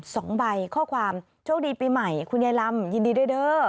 สองใบข้อความโชคดีปีใหม่คุณยายลำยินดีด้วยเด้อ